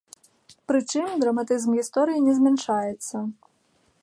Прычым, драматызм гісторыі не змяншаецца.